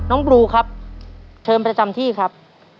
บลูครับเชิญประจำที่ครับ